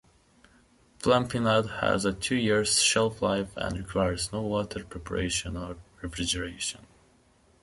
Plumpy'Nut has a two-year shelf-life and requires no water, preparation, or refrigeration.